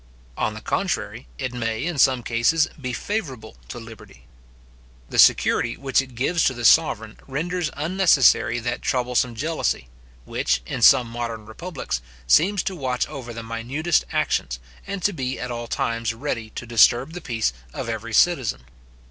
On the contrary, it may, in some cases, be favourable to liberty. The security which it gives to the sovereign renders unnecessary that troublesome jealousy, which, in some modern republics, seems to watch over the minutest actions, and to be at all times ready to disturb the peace of every citizen.